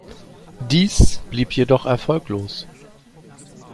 Dies blieb jedoch erfolglos.